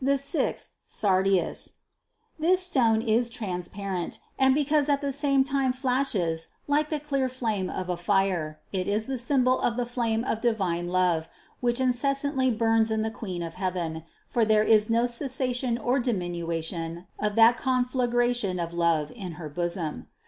290. "The sixth, sardius." This stone is transparent, and because it at the same time flashes like the clear flame of a fire, it is the symbol of the flame of divine love, which incessantly burns in the Queen of heaven, for there is no cessation nor diminution of that conflagra tion of love in her bosom.